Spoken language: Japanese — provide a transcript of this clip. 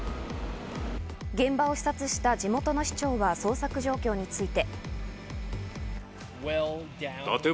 現場を視察した地元の市長は捜索状況について。